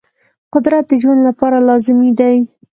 قدرت د ژوند لپاره لازمي دی.